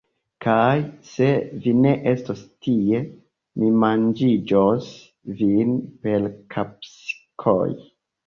Kaj, se vi ne estos tie, mi manĝiĝos vin per kapsikoj!